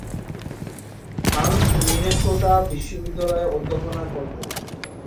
Hans Minnesota বিশ্ববিদ্যালয়ে অধ্যাপনা করতেন।